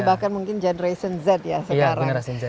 bahkan mungkin generation z ya sekarang